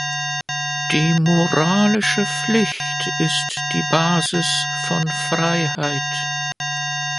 Die moralische Pflicht ist die Basis von Freiheit.